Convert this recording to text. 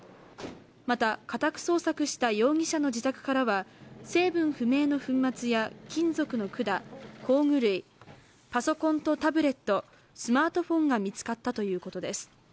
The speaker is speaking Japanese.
また、家宅捜索した容疑者の自宅からは成分不明の粉末や金属の管工具類、パソコンとタブレットスマートフォンが見つかったということです。